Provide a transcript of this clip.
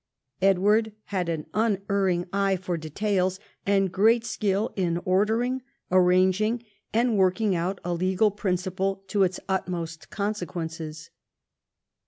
Edward had an unerring eye for details, and great skill in order ing, arranging, and working out a legal principle to its 122 EDWARD I chap. utmost consequences.